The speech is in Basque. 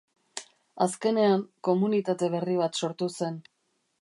Azkenean, komunitate berri bat sortu zen.